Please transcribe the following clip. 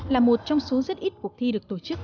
là một trong số rất ít cuộc thi được tổ chức